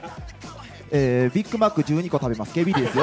ビッグマック１２個食べます、ＫＢＤです。